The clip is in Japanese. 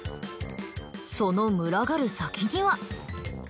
その群がる先には。